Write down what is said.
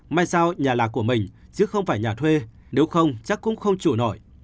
mai sau nhà là của mình chứ không phải nhà thuê nếu không chắc cũng không trụ nổi